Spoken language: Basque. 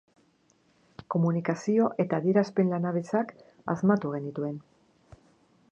Komunikazio eta adierazpen lanabesak asmatu genituen.